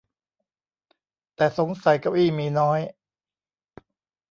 แต่สงสัยเก้าอี้มีน้อย